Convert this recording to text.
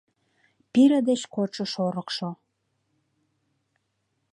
Пире деч кодшо шорыкшо